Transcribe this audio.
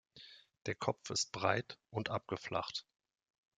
Der Kopf ist breit und abgeflacht.